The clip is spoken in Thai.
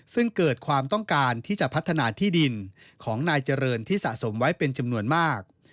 ซึ่งเกิดความต้องการที่จะพัฒนาที่ดินของนายเจริญที่สะสมไว้เป็นจำนวนมาก